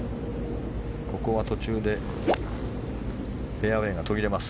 ここは途中でフェアウェーが途切れます。